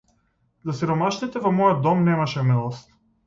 За сиромашните во мојот дом немаше милост.